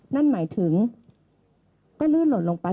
นั่นหมายถึงก็ลื่นหล่นลงไป